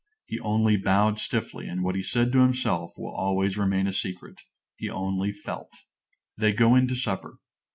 He only bowed stiffly, and what he said to himself will always remain a secret. He only felt. They go in to supper.